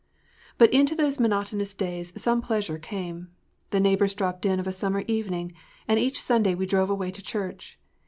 BUT into those monotonous days some pleasure came. The neighbors dropped in of a summer evening, and each Sunday we drove away to church.